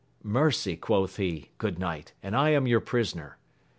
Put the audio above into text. Mercy, quoth he, good knight, and I am your prisoner